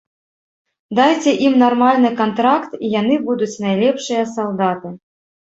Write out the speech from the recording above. Дайце ім нармальны кантракт, і яны будуць найлепшыя салдаты.